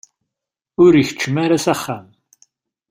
Ur ikeččem ara s axxam.